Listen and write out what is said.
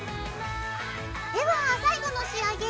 では最後の仕上げ。